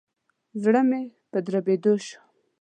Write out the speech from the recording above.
زړه مي په دربېدو شو.